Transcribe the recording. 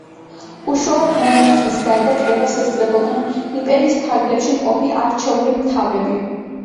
უშუალოდ მონარქის გარდა, კრებას ესწრებოდნენ იმპერიის ფარგლებში მყოფი არჩეული მთავრები.